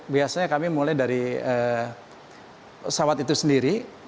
biasanya kami mulai dari pesawat itu sendiri